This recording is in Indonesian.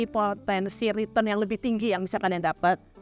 potensi return yang lebih tinggi yang misalkan yang dapat